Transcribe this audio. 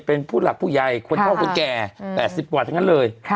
เป็นผู้หลักผู้ใยคนโทษคนแก่๘๐อย่างงั้นเลย